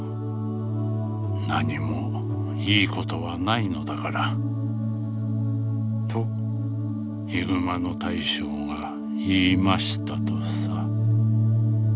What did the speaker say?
何も良いことはないのだから。とヒグマの大将が言いましたとさ」。